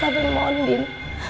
sampai mohon din